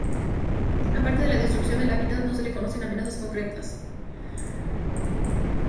Aparte de la destrucción del hábitat, no le se conocen amenazas concretas.